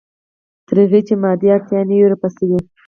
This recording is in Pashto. تر هغې چې مادي اړتیا نه وي رفع شوې.